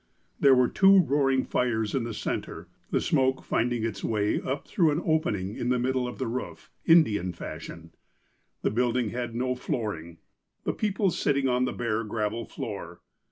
There were two roaring fires in the centre, the smoke finding its way up through an opening in the middle of the roof, In dian fashion. The building had no flooring, the people sitting on the bare gravel floor.